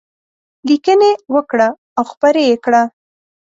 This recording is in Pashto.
لیکنې وکړه او خپرې یې کړه.